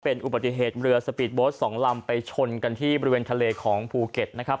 เป็นอุบัติเหตุเรือสปีดโบสต์๒ลำไปชนกันที่บริเวณทะเลของภูเก็ตนะครับ